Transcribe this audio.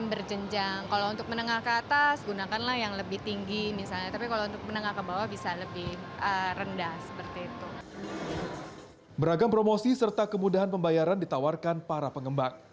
beragam promosi serta kemudahan pembayaran ditawarkan para pengembang